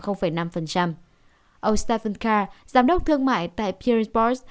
ông stephen carr giám đốc thương mại tại peeringsport